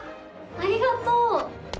ありがとう！